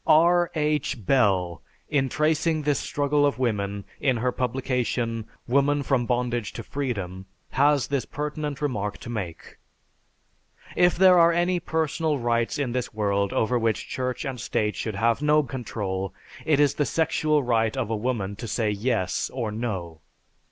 R. H. Bell, in tracing this struggle of woman in her publication, "Woman from Bondage to Freedom," has this pertinent remark to make. "If there are any personal rights in this world over which Church and State should have no control, it is the sexual right of a woman to say, 'Yes' or 'No.'